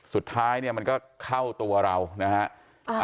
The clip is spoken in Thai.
สุดท้ายเนี่ยมันก็เข้าตัวเรานะฮะ